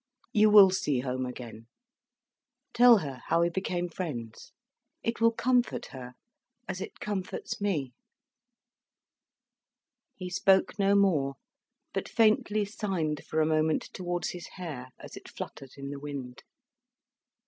You will see Home again. Tell her how we became friends. It will comfort her, as it comforts me." He spoke no more, but faintly signed for a moment towards his hair as it fluttered in the wind.